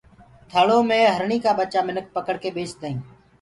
ٿݪو مي هرڻي ڪآ ٻچآ منک پکڙڪي ٻيچدآئين